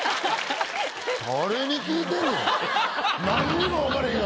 誰に聞いてんねん！